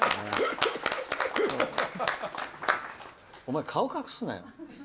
お前、顔隠すなよ。